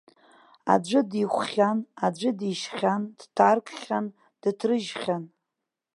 Аӡә дихәхьан, аӡә дишьхьан, дҭаркхьан, дыҭрыжьхьан.